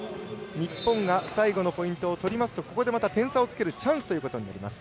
日本が最後のポイントを取りますと点差をつけるチャンスということになります。